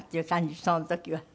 その時は。